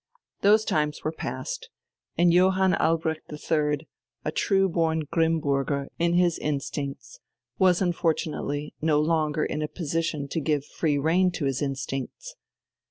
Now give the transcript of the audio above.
Those times were past; and Johann Albrecht III, a true born Grimmburger in his instincts, was unfortunately no longer in a position to give free rein to his instincts.